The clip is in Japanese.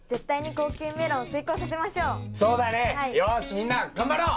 よしみんな頑張ろう！